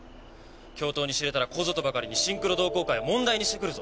教頭に知れたらここぞとばかりにシンクロ同好会を問題にしてくるぞ。